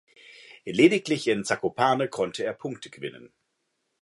Lediglich in Zakopane konnte er Punkte gewinnen.